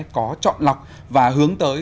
có chọn lọc và hướng tới